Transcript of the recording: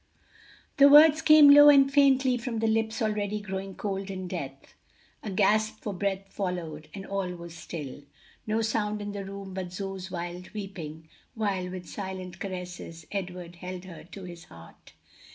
'" The words came low and faintly from the lips already growing cold in death, a gasp for breath followed, and all was still, no sound in the room but Zoe's wild weeping, while with silent caresses Edward held her to his heart.